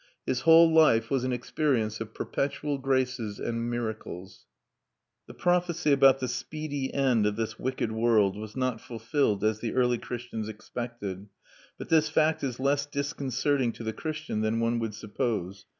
His whole life was an experience of perpetual graces and miracles. The prophecy about the speedy end of this wicked world was not fulfilled as the early Christians expected; but this fact is less disconcerting to the Christian than one would suppose.